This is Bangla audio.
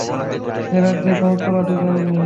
এ রাজ্যে কোন উত্তরাধিকার নেই।